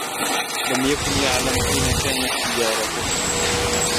لم يكن يعلم أين كانت سيّارته.